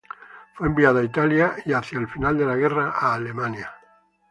Fue enviado a Italia, y hacia el final de la guerra a Alemania.